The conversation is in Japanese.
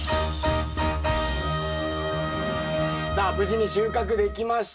さあ無事に収穫できました。